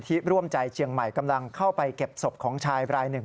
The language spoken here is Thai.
ร่วมใจเชียงใหม่กำลังเข้าไปเก็บศพของชายรายหนึ่ง